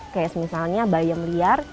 kayak misalnya bayam liar